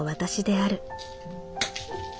あ！